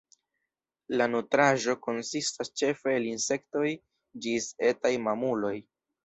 La nutraĵo konsistas ĉefe el insektoj ĝis etaj mamuloj.